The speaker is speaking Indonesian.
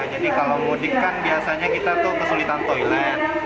jadi kalau mudik kan biasanya kita tuh kesulitan toilet